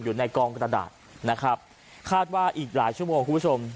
อยู่ในกองกระดาษนะครับคาดว่าอีกหลายชั่วโมงคุณผู้ชม